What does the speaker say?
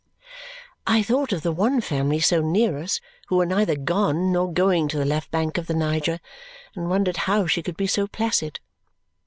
I thought of the one family so near us who were neither gone nor going to the left bank of the Niger, and wondered how she could be so placid.